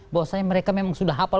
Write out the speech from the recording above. bahwasanya mereka memang sudah hafal